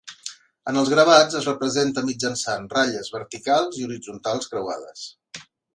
En els gravats es representa mitjançant ratlles verticals i horitzontals creuades.